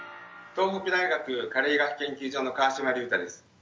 東北大学加齢医学研究所の川島隆太です。